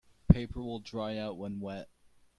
Paper will dry out when wet.